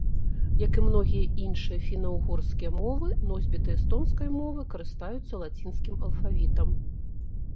Як і многія іншыя фіна-ўгорскія мовы, носьбіты эстонскай мовы карыстаюцца лацінскім алфавітам.